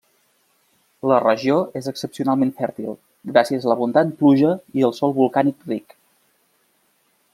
La regió és excepcionalment fèrtil, gràcies a l'abundant pluja i el sòl volcànic ric.